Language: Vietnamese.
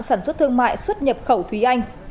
sản xuất thương mại xuất nhập khẩu thúy anh